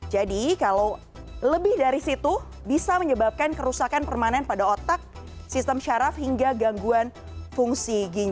jadi kalau lebih dari situ bisa menyebabkan kerusakan permanen pada otak sistem saraf hingga gangguan fungsi